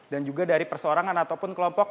dan juga dari persorangan ataupun kelompok